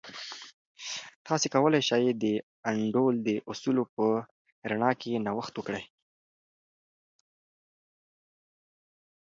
تاسې کولای سئ د انډول د اصولو په رڼا کې نوښت وکړئ.